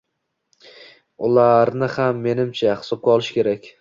ularni ham, menimcha, hisobga olish kerak.